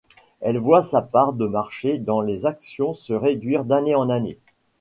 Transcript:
Elle voit sa part de marché dans les actions se réduire d'année en année.